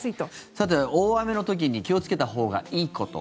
さて、大雨の時に気をつけたほうがいいこと。